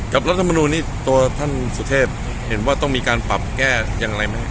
กับรัฐบุรุณีตัวท่านสุทธิพย์เห็นว่าต้องมีการปรับแก้อย่างไรไหม